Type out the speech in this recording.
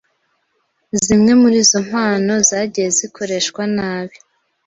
zimwe muri izo mpano zagiye zikoreshwa nabi,